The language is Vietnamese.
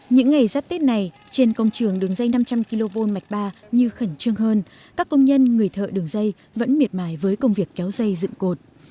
những ngày giáp tết này trên công trường đường dây năm trăm linh kv mạch ba như khẩn trương hơn các công nhân người thợ đường dây vẫn miệt mài với công việc kéo dây dựng cột